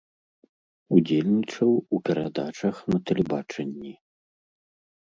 Удзельнічаў у перадачах на тэлебачанні.